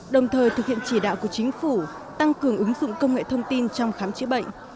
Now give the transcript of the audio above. đồng thời thực hiện chỉ đạo của chính phủ tăng cường ứng dụng công nghệ thông tin trong khám chữa bệnh